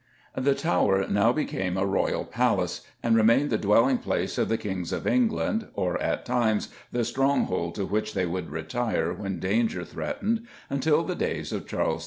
The Tower now became a royal palace and remained the dwelling place of the Kings of England, or, at times, the stronghold to which they would retire when danger threatened, until the days of Charles II.